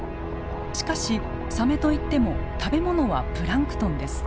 しかしサメといっても食べ物はプランクトンです。